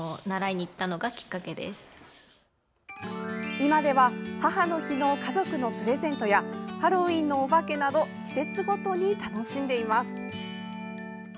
今では、母の日の家族のプレゼントやハロウイーンのおばけなど季節ごとに楽しんでいます。